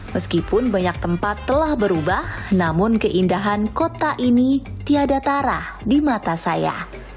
meskipun banyak tempat telah berubah namun keindahan kota ini tiada tara di mata saya